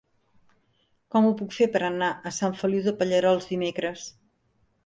Com ho puc fer per anar a Sant Feliu de Pallerols dimecres?